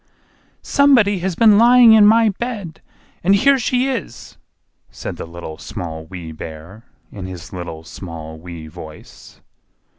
"SOMEBODY HAS BEEN LYING IN MY BED—AND HERE SHE IS!" said the Little, Small, Wee Bear, in his little, small, wee voice.